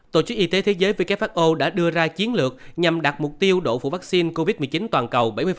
tổ chức y tế thế giới who đã đưa ra chiến lược nhằm đặt mục tiêu độ phủ vắc xin covid một mươi chín toàn cầu